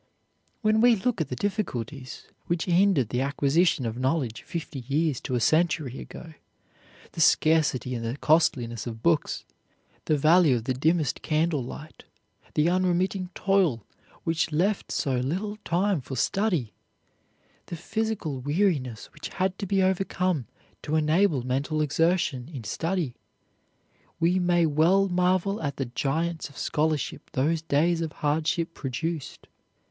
When we look at the difficulties which hindered the acquisition of knowledge fifty years to a century ago; the scarcity and the costliness of books, the value of the dimmest candle light, the unremitting toil which left so little time for study, the physical weariness which had to be overcome to enable mental exertion in study, we may well marvel at the giants of scholarship those days of hardship produced.